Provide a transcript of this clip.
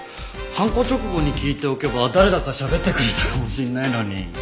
犯行直後に聞いておけば誰だかしゃべってくれたかもしれないのに。